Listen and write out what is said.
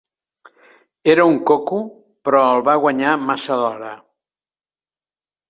Era un coco, però el va guanyar massa d'hora!